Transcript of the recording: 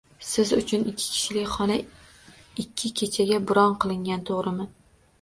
Siz uchun ikki kishilik xona ikki kechaga bron qilingan, to'g'rimi?